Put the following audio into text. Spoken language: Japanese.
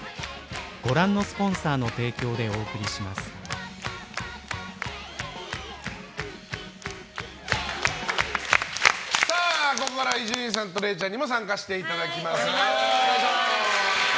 「ＧＯＬＤ」もここからは伊集院さんとれいちゃんにも参加していただきます。